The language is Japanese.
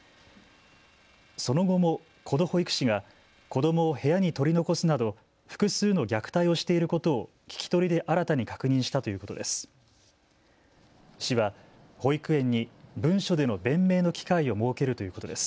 その後もこの保育士が子どもを部屋に取り残すなど複数の虐待をしていることを聞き取りで新たに確認したということです。